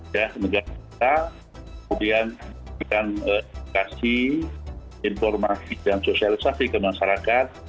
ya negara kita kemudian memberikan edukasi informasi dan sosialisasi ke masyarakat